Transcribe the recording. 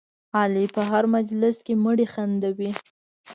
علي په هر مجلس کې مړي خندوي.